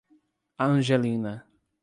Angelina